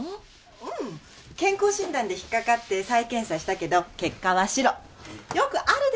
うん健康診断で引っ掛かって再検査したけど結果はシロよくあるでしょ？